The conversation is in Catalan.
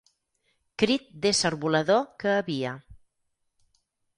Crit d'ésser volador que avia.